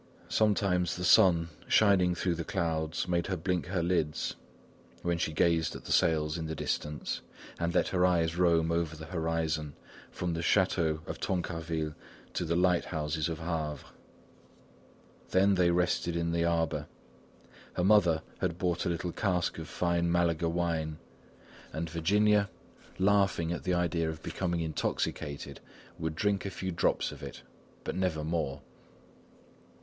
Sometimes the sun, shining through the clouds, made her blink her lids, when she gazed at the sails in the distance, and let her eyes roam over the horizon from the chateau of Tancarville to the lighthouses of Havre. Then they rested in the arbour. Her mother had bought a little cask of fine Malaga wine, and Virginia, laughing at the idea of becoming intoxicated, would drink a few drops of it, but never more.